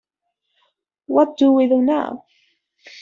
What do we do now?